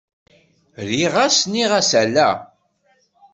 Rriɣ-as,-nniɣ-as ala.